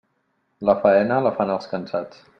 La faena, la fan els cansats.